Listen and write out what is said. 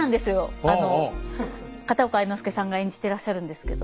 片岡愛之助さんが演じてらっしゃるんですけど。